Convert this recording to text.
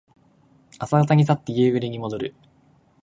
朝方に去って夕暮れにもどる。